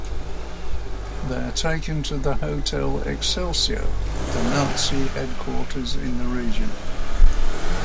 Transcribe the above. They are taken to the "Hotel Excelsior", the Nazi headquarters in the region.